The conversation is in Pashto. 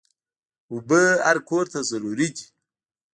اوبه هر کور ته ضروري دي.